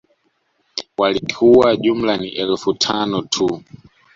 Walikuwa jumla ni Elfu tano tu